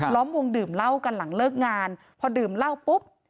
้อมวงดื่มเหล้ากันหลังเลิกงานพอดื่มเหล้าปุ๊บ